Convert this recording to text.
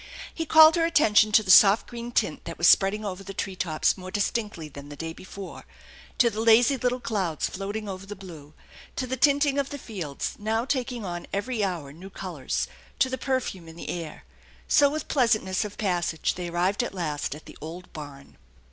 He called her attetion to the soft green tint that was spreading over the tree tops more distinctly than the day before ; to the lazy little clouds floating over the blue; to the tinting of the fields, now taking on every hour new colors ; to the perfume in the air. So with pleasantness of passage they arrived at last at the old barn.